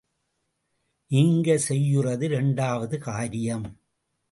நீங்க செய்யுறது இரண்டாவது காரியம்.